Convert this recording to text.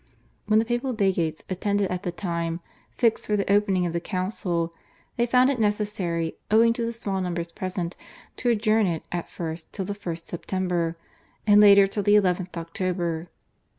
When the papal legates attended at the time fixed for the opening of the council they found it necessary owing to the small numbers present to adjourn it at first till the 1st September, and later till the 11th October.